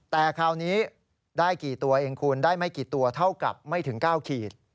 แต่คราวนี้ได้กี่ตัวเองคุณได้ไม่กี่ตัวเท่ากับไม่ถึง๙ขีด